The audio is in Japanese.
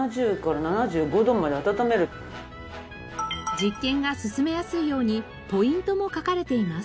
実験が進めやすいようにポイントも書かれています。